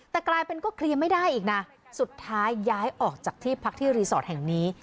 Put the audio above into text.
แต่กลายเป็นก็เคลียร์ไม่ได้อีกนะสุดท้ายย้ายออกจากที่พักที่รีสอร์ทแห่งนี้